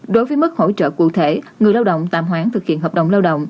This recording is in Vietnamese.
đối với mức hỗ trợ cụ thể người lao động tạm hoãn thực hiện hợp đồng lao động